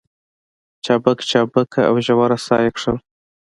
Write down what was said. چابکه چابکه او ژوره ساه يې کښل.